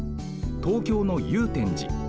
東京の祐天寺。